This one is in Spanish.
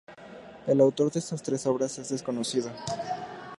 El autor de estas tres Obras es desconocido.